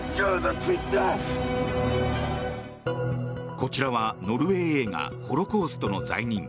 こちらは、ノルウェー映画「ホロコーストの罪人」。